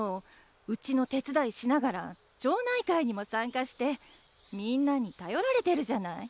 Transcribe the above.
うちの手伝いしながら町内会にも参加してみんなに頼られてるじゃない。